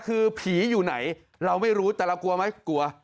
คือผีอยู่ไหนเราไม่รู้แต่เรากลัวไหมกลัว